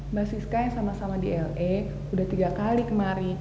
mbak siska yang sama sama di la udah tiga kali kemari